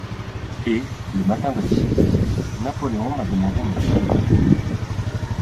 Et, le matin d'Athis, Napoleon m'a demande une prise de tabac.